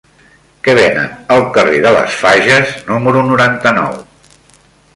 Què venen al carrer de les Fages número noranta-nou?